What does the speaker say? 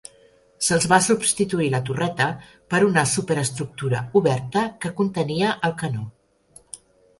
Se'ls va substituir la torreta per una superestructura oberta que contenia el canó.